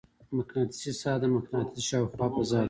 مقناطیسي ساحه د مقناطیس شاوخوا فضا ده.